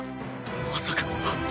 まさか。